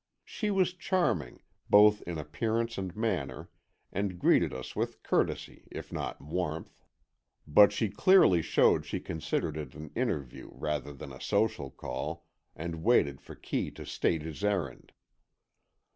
She was charming, both in appearance and manner, and greeted us with courtesy if not warmth. But she clearly showed she considered it an interview rather than a social call and waited for Kee to state his errand.